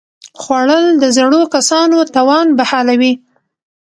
خوړل د زړو کسانو توان بحالوي